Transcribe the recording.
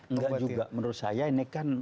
membuat itu enggak juga menurut saya ini kan